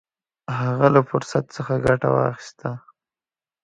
هغه له فرصت څخه ګټه واخیسته.